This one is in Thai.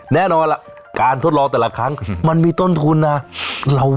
แน่นอนล่ะการทดลองแต่ละครั้งมันมีต้นทุนนะ